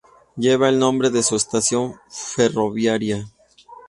Lleva el nombre de su estación ferroviaria.